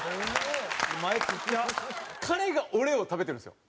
彼がオレオを食べてるんですよ。